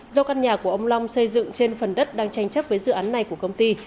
do căn nhà của ông long xây dựng trên phần đất đang tranh chấp với dự án này của công ty